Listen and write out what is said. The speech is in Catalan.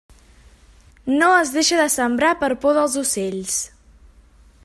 No es deixa de sembrar per por dels ocells.